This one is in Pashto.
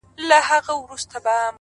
چي د وگړو څه يې ټولي گناه كډه كړې ـ